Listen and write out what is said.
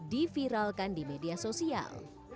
diviralkan di media sosial